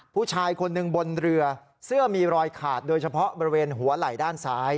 ผู้ชายคนหนึ่งบนเรือเสื้อมีรอยขาดโดยเฉพาะบริเวณหัวไหล่ด้านซ้าย